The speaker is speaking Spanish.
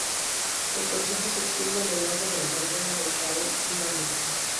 El concejo se extiende a lo largo de la frontera de Israel-Líbano.